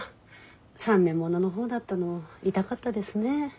３年ものの方だったの痛かったですね。